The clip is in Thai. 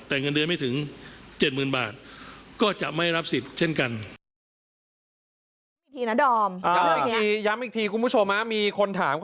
แต่เงินเดือนไม่ถึง๗๐๐๐บาทก็จะไม่รับสิทธิ์เช่นกัน